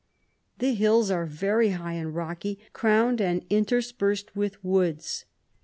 The hills are very high and rocky, crowned and interspersed with woods.